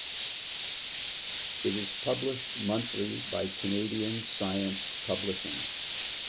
It is published monthly by Canadian Science Publishing.